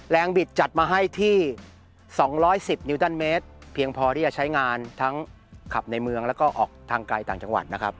บิดจัดมาให้ที่๒๑๐นิ้วตันเมตรเพียงพอที่จะใช้งานทั้งขับในเมืองแล้วก็ออกทางไกลต่างจังหวัดนะครับ